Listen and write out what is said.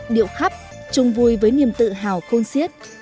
điệu khắp chung vui với niềm tự hào khôn siết